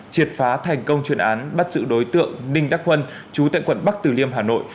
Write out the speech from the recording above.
triệt phá thành công chuyên án bắt giữ đối tượng ninh đắc huân chú tại quận bắc tử liêm hà nội